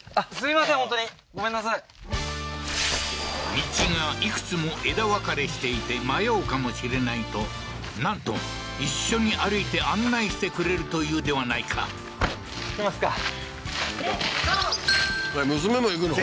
道がいくつも枝分かれしていて迷うかもしれないとなんと一緒に歩いて案内してくれるというではないか娘も行くの？